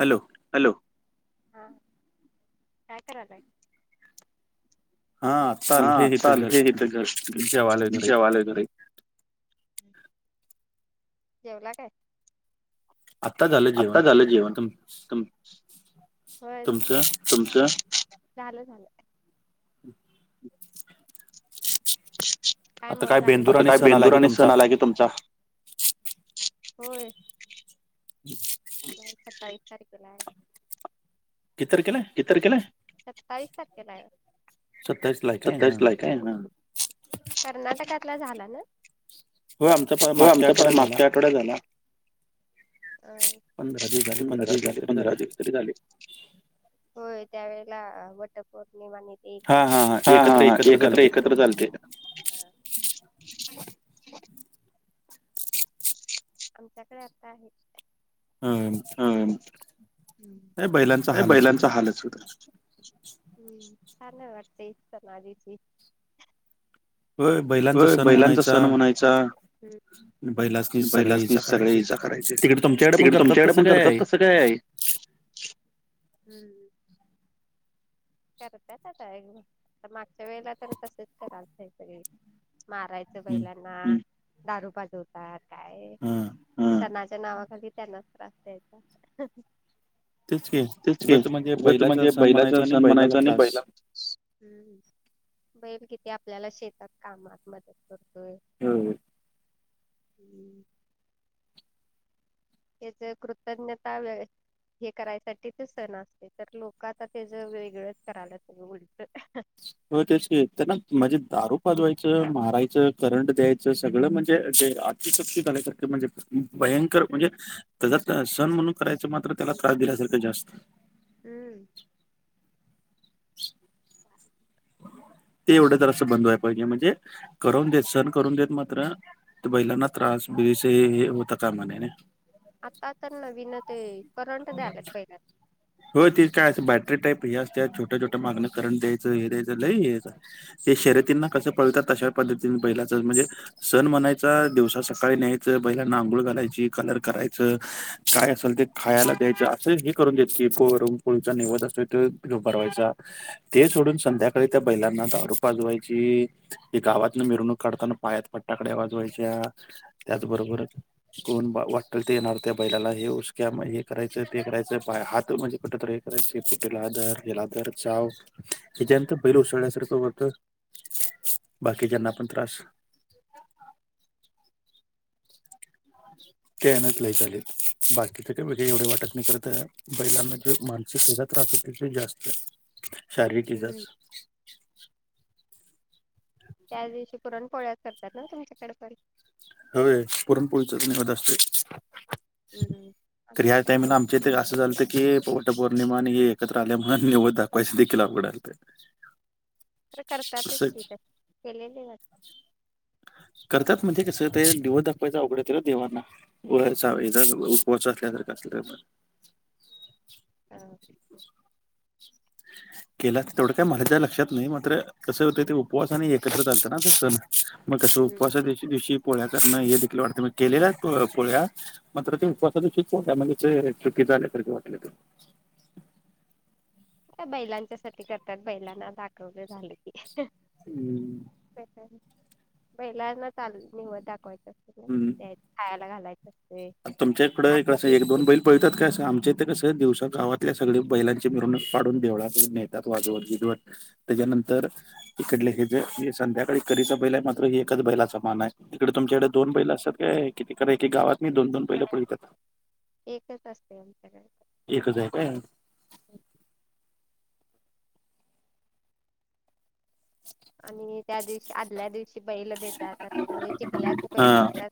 Hello hello? हा, काय करालाय? हा, आता आलोय, हे इथ घर, जेवालोय घरी जेवला काय? आता झालं जेवण, तु होय झालं, तुमचं? झालं झाल. [inaudible] काय मग आणि, आता काय बेंदूर आणि सण आलाय की तुमचा? होय. [unintelligible] सत्तावीस तारखेला आहे. किती तारखेला हाय? किती तारखेला हाय. सत्तावीस तारखेला हाय. सत्तावीसला हाय काय? ह कर्नाटकातला झाला ना. हो आमचा मागच्या आठवड्यात झाला. पंधरा दिस झाले. पंधरा दिवस तरी झाले. होय त्यावेेळेला वटपौर्णिमा आणि ते एकाच दिवशी, ह ह ह एकत्र एकत्रच आलते. आमच्याकडे आता आहे. हम्म हम्म काय बैलांच हालच होतात. हम्म छान नाही वाटते इथ तर आधीची. होय होय बैलांचा सण म्हणायचा. बैलांसनीच सगळ्या इजा करायची. तिकडे तुमच्याकडे पण करतात तस. काय हम्म करतात आता एक. आता मागच्या वेळेला तर तसेच करालते सगळे मारायच बैलांना. दारू पाजवतात. काय? हम्म, सणाच्या नावाखाली त्यांनाच त्रास द्यायचा. तेच की उगच म्हणजे बैलाचा सण म्हणायचा आणि बैला बैल किती आपल्याला शेतात कामात मदत करतोय. होय हम्म त्याचे कृतज्ञता वेळ हे करायसाठीच सण असते. तर लोक आता त्याज वेगळच करायले सगळ उलट. हो तेच की त्यांना म्हणजे दारू पाजवायच, मारायच, करंट द्यायच सगळ म्हणजे जे किती चुकीच झाल्या म्हणजे भयंकर म्हणजे त्याच्यात सण म्हणून करायच मात्र त्याला त्रास दिल्यासारख जास्त. हम्म ते एवढ जरा अस बंद व्हायला पाहिजे. म्हणजे करून देत सण करून देत मात्र बैलांना त्रास बिरास हे होता कामा नये ना. आता तर नवीन ते करंट द्यालेत. पहिल्या हो तेच काय असं बॅटरी टाईप हे असते. छोट्या छोट्या मागण्या करंट द्याय हे द्यायच. लय हे हे शर्यतींना कस पळवतात तशा पद्धतीने बैलाच म्हणजे सण म्हणायचा. दिवसा सकाळी न्यायच बैलांना आंघोळ घालायची. कलर करायच. काय असेल ते खायला द्यायच. अस हे करून द्याेत की पुरण पोळीचा निवध असतोय तो भरवायचा. ते सोडून संध्याकाळी त्या बैलांना दारू पाजवायची. गावातन मिरवणूक काढताना पायात फटाकडे वाजवायच्या. त्याचबरोबरच कोण वाटल ते येणार त्या बैलाला हे उसक्या करायच ते करायच पाय हात म्हणजे कुटतरी हे करायचे. शेपटेला दर. हेला दर. चाव. हच्यांत बैल उसळसारखं होत. बाकीच्यांना पण त्रास. ते येनच लयी झाले. बाकीचे का वेगळे एवढे वाटत नाही करत. बैलांना जो मानसिक हिज त्रास होतो ते जास्त शारीरिक ईजाच त्या दिवशी पुरण पोळ्या करतात ना तुमच्याकडे पण. व्हय पुरणपोळीचाच निवद असतोय. तर या टाईमाला आम ते अस झालत की वट पौर्णिमा आणि हे एकत्र आल्यामुळ निवद दाखवायचे देखील अवघड झालत. [unintelligible] तर करतातच की तर केलेली आहे. करतात म्हणजे कस ते दिव दाखवायचा अवघड होते न देवांना [unintelligible] पोच असल्यासारख असल. [inaudible] केला तर ते माझ्या काय लक्षात नाही मात्र कसं होत ते उपवास आणि एकत्र चालत ना सण मग कसं उपवासाच्या दिवशी-दिवशी पोळ्या करणं हे देखील वाटतं मी केलेलं आहे पोळ्या. मात्र ते उपवासा दिवशी [unintelligible] म्हणजे ते चुकी झाल तर वाटले. आ बैलांच्या साठी करतात बैलांना दाखवे झालं की. बैलांना चाल. [unintelligible] ते खायला घालायचं. तुमच्या इकडें कसं एक-दोन बैल पळतात काय असं आमच्या इथं कस दिवसा गावातल्या सगळ बैलांचे मिरवणूक काढून देवळात नेतात वाजवत-विजवत. त्याच्यानंतर इकडले हे जे संध्याकाळी करीच बैल आहे ना मात्र हे एक्काच बैलाचा मान आहे. तिकडे तुमच्याकडे दोन बैल असतात काय कितीरा एकी गावात मी दोन-दोन पहिला पळवत्यात. एकच असते आमच्यात. एक हजार काय? आणि त्या दिवशी आदल्या दिवशी बैल देतात म्हणजे चिखल्याच बैल करतात.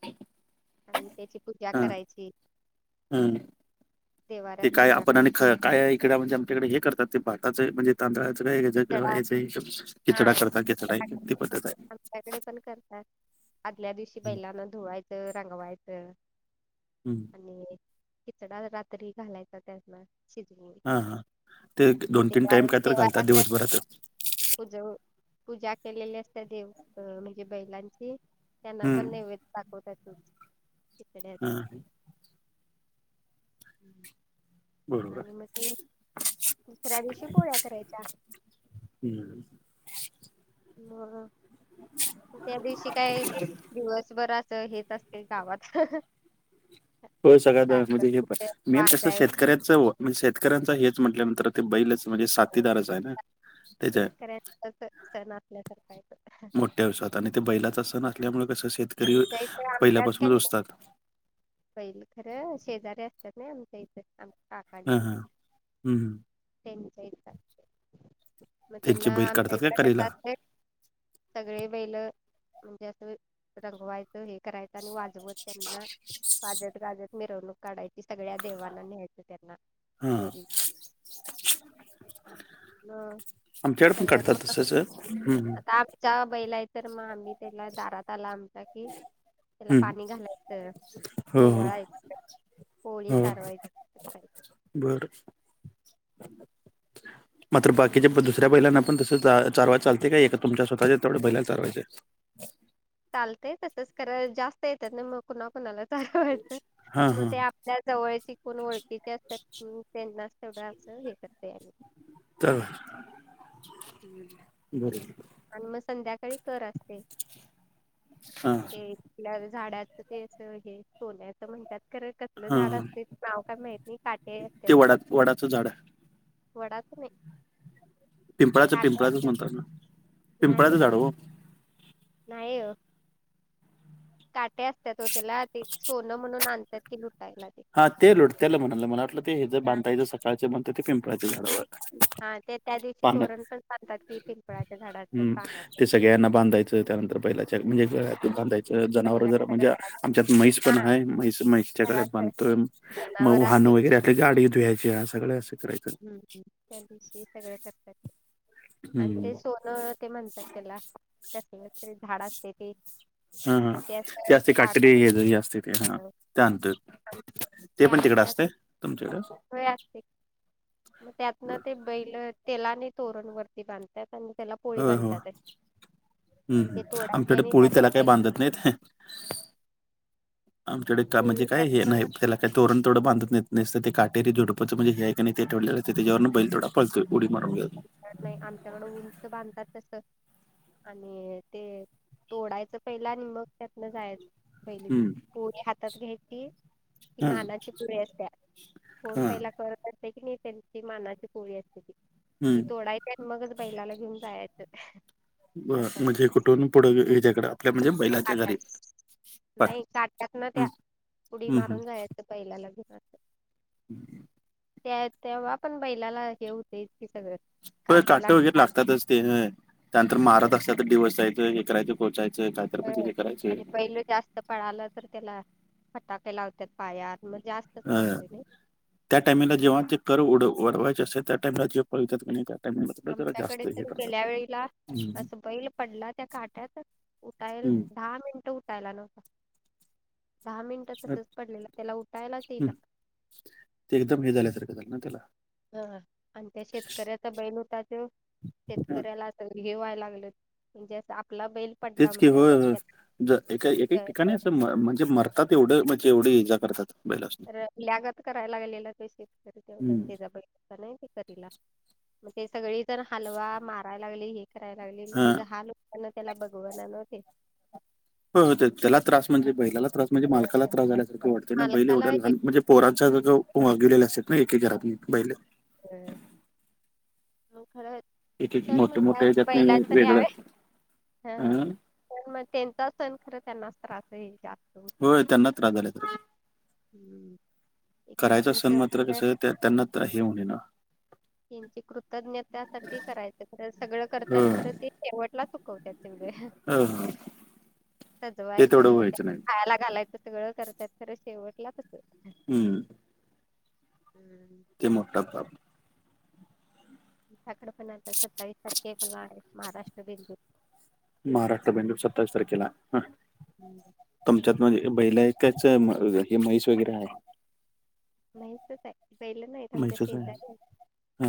आणि त्याची पूजा करायची, देवाऱत पूजा करायची. काय इकडे आमच्याकडे हे करतात ते भाताचं म्हणजे. तांदळाच काय हेच ही करता खिचडा करतात, ते पद्धत आहे. आमच्याकडे पण करतात आदल्या दिवशी बैलांना धुवायच, रंगवायचं. हम्. आणि खिचडा रात्री घालायचा त्याना. हां हां ते दोन-तीन टाइम काय तर घालतात दिवसभरातच. पूज, पूजा केलेली असतात देव म्हणजे बैलांची. त्यांना पण नैवेद दाखवतात, तिकडचा. आणि मग ते दुसऱ्या दिवशी पोळ्या करायच्या. हम्म. मग त्या दिवशी काय दिवसभर अस हेच असते गावात. हो सगळ्या म्हणजे हे मेन कसं शेतकऱ्यांच म्हणजे शेतकऱ्यांचा हेच म्हटल्यानंतर ते बैलच म्हणजे साथीदारच आहे ना तेच आहे. मोठ्या उसात आणि ते बैलाच असंल्यामुळ कसं शेतकरी पहिल्यापासूनच उसतात. पैल खरं शेजारी असतात ना आमच्या इथ काकण तिथ. त्यांच्या इथ मग त्यांना आमच्या इकडे कस असतय. सगळे बैल म्हणजे असं रंगवायचं हे करायचं आणि वाजवत त्यांना वाजत-गाजत मिरवणूक काढायची सगळ्या देवांना न्यायच त्यांना. हा. ह सगळ्यात मोठा, आता आ च्या बैला आहे तर मग आम्ही त्याला दारात आला आमच्या. त्याला पाणी घालायचं, ओवाळायचं होळी कारवाई. [inaudible] मग? [inaudible] मात्र बाकीच्या दुसऱ्या बैलांना पण तस चारवाय चालते काय एक तुमच्या स्वतःच्या तेवढ्या बैलाला चारवायच? चालतय तसच खर जास्त येतात नाही मग कुणा-कुणाला चारवायच, मग ते त्या जवळची कोण ओळखीचे असतात. हम्म त्यांनाच तेवढं असं हे करतोय आम्ही. तर हम्म. बरोबर. आणि मग संध्याकाळी कर असते, ते नारळ झाडाच ते अस हे सोन्याच म्हणतात, खर कस कुटल झाड असतय नाव काय माहती नाही, काट लय असतत्यात त्याला. वडाच नाही. पिंपळाचं-पिंपळाचं म्हणतात ना, पिंपळाचं झाड आहे ओ. नाही ओ. काटे असतात हो त्याला, ते सोनं म्हणून आणतात की लुटायला. हा ते लूटत्याल म्हणालाय मला, वाटलं ते हेज बांधायचं सकाळचे म्हणतात ते पिंपळाळच् झाडा वर. हा ते त्या दिवशी तोरण पण बांधतात की पिंपळाच्या झाडाच पानाच. सळ्यांना बांधयचं, त्यानंतर बलाच्या म्हणजे या बांधाय जनावर जरा म्हणजे, आमच्यात मैस पण आहे. मैस मैसच्या गळ्यात बांध् तर मग वाहनं वगैरे आ गाडी धुवायची सगळं असं करायचं. हम्म, त्या दिवशी सगळ करतात, आणि ते सो अ ते म्हणतात त्याला, कसलतरी झाड असतय ते. हा-हा ते असतंय काटेरी येत असतंय ते हा त्यानंतर. ते पण तिकडे असतय, तुमच्याकडे. होय असतंय की, मग त्यातन ते बैल तेला आणि तोरण वर वरती बांधतात, आणि त्याला पोळी बधतात. आणि ते तोडायच्या आणि त्यातलं बाहेर पडय आमच्याकडे का म्हणजे काय हे नाही त्याला का तोरण तेवढं बांधत नहीत, नसत ते काटेरी झुडपचं म्हणजे हे हाय कने नाही ते तोडल त्याच्यावर बैल तेवढं पळतोय, उडी मारून. नाही आमच्याकडं उंच बांधतात तस आणि ते तोडायचं पहिला, आणि मग त्यातनं जायचं. पहिली पोळी हातात घ्यायची, ती मानाची पोळी असत्या, कोण पहिला करत असते की नाही त्यांची मानाची पोळी असते की. की तोडायाची आणि मगच बैलाला घेऊन जायचं. म्हणजे कुठून पुढ याच्याकडे, आपल्या म्हणजे बैला काट्यात, नाही काट्यात ना त्या उडी मारून जायचं. बैलाला घेऊन जायचं. ह [inaudible] त्या तेव्हा पण बैलाला हे होते की सगळं. होय काटे वगैरे लागतातच ते, ह. त्यांतर महाराज असत्यात, तर डीवसायचं, हे करायं कोचयचं. ह आणि पहिलं जास्त पळालं तर त्याला, फटाके लावतात पायात मग जास्त अ त्या टाइमला जेव्हा ते कर उड वाढवायचे असेल, त्या टाइमला जेव्हा पळतात कणितात आमच्याकडे तर गेल्या वेळीला असं बैल पडला त्या काट्यात, उठायला दहा मिनट उठायला नव्हता. दहा मिनट तसच पडलेलं, त्याला उठायलाच येई ना. ते एकदम हे झाल्यासारखं झाल ना त्याला. हा, आणि त्या शेतकऱ्याचा बैल होता तो. शेतकऱ्याला अस हे व्हाय लागलं, म्हणजे असं तेच की, होय होय, एक-एक ठिकाणी अस म म्हणजे मर तात तेवढं, म्हणजे एवढे इजा करतात. रडल्यागत करायला लागलेला, ते शेतकरी तेजा बैल. नाही ते करीला, मग ते सगळी जण हलवा मारायला लागली, हे कराय लागले, मग तेज हाल होताना, तेला बगवाना नव ते. होय होय, ते त्याला त्रास म्हणजे बैलाला त्रास म्हणजे, मालकाला त्रास झाल्यासारख वाटतय ना, बैले एवढ्या लहान म्हणजे पोराचा ज वागवलेली असतात ना, एक एक घरात बैल. होय, म खरं पण म्हटला बैलाच [unintelligible] हा. पण मग त्यांचा सण, खरं त्यांनाच त्रास आहे जास्त. होय, त्यांना त्रास झाल [unintelligible] हम्म! करायचा सण मात्र कसं, त्यांना हे होणे ना त्यांची कृतज्ञत्यासाठी करायचं, खरं सगळं करतात खरं ते शेवटला चुकवत्यात [unintelligible] सजवायच, त्याला खायला घालायच. सगळं करत्यात, खरं शेवटला कसं हम्म! हम्म. ते मोठ [unintelligible] तुमच्याकडे पण आता सत्तावीस टार [unintelligible] प आहे, महाराष्ट्र बिंदुर. महाराष्ट्र बेंदूर सत्तावीस तारखेला हाय, हा हम्म! तमच्यात म्हणजे, बैलाकाच हे मैस वगैरे आहे? म्हैसच हाय. म्हैसच हाय, हा.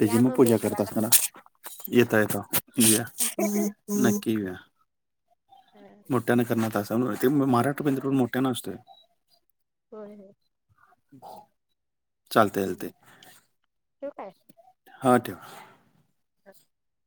तेजी म पूजा करत असणारा, येता येता, या. नक्की येऊया. हा. मोठ्यानें करण्यात असाव, ते महाराष्ट्र बेंदूर पण मोठ्यांन असतोय. होय होय. [unintelligible] [inaudible] हम्म! ठेवू काय? हा ठेवा. [unintelligible] [inaudible]